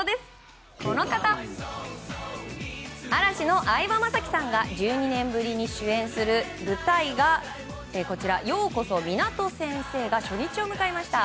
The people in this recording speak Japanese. この方嵐の相葉雅紀さんが１２年ぶりに主演する舞台「ようこそ、ミナト先生」が初日を迎えました。